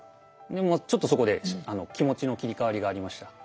でもうちょっとそこで気持ちの切り替わりがありました。